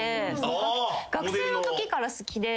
学生のときから好きでそれで。